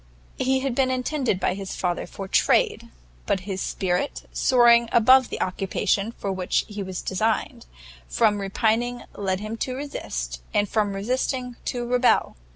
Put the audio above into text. He had been intended by his father for trade, but his spirit, soaring above the occupation for which he was designed, from repining led him to resist, and from resisting, to rebel.